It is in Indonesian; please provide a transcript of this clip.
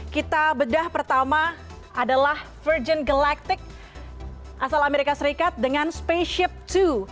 kita bedah pertama adalah virgin collectic asal amerika serikat dengan spaceship dua